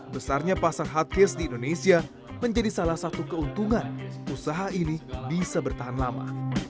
besarnya pasar hardcase di indonesia menjadi salah satu keuntungan usaha ini bisa bertahan lama